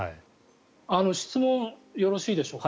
質問よろしいでしょうか。